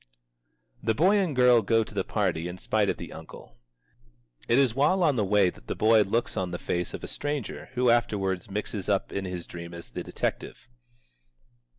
The boy and girl go to the party in spite of the uncle. It is while on the way that the boy looks on the face of a stranger who afterwards mixes up in his dream as the detective.